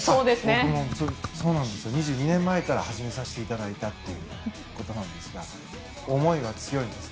僕も２２年前から始めさせていただいたんですが思いが強いんです。